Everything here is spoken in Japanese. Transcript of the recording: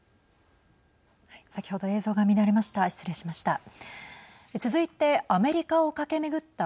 先ほど映像が乱れました。